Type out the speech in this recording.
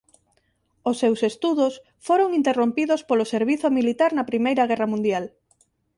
Os seus estudos foron interrompidos polo servizo militar na primeira guerra mundial.